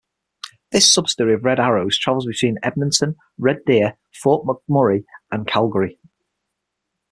This subsidiary of Red Arrow travels between Edmonton, Red Deer, Fort McMurray and Calgary.